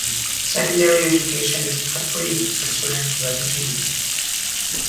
Secondary education is not free for Sudanese refugees.